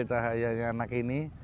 kecil cahayanya anak ini